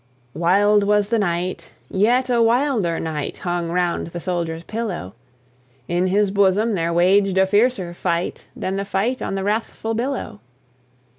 Wild was the night, yet a wilder night Hung round the soldier's pillow; In his bosom there waged a fiercer fight Than the fight on the wrathful billow.